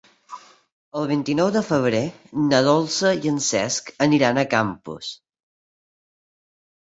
El vint-i-nou de febrer na Dolça i en Cesc aniran a Campos.